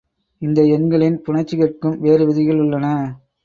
இந்த எண்களின் புணர்ச்சிகட்கும் வேறு விதிகள் உள்ளன.